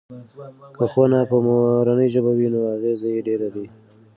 که ښوونه په مورنۍ ژبه وي نو اغیز یې ډیر دی.